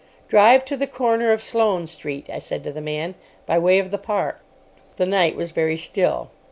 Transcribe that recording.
"Drive to the corner of Sloane Street," I said to the man, "by way of the Park." The night was very still.